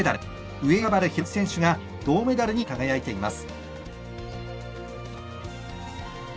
上与那原寛和選手が銅メダルに輝いています。